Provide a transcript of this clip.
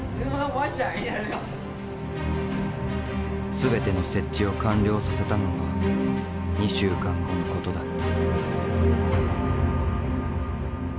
全ての設置を完了させたのは２週間後のことだった。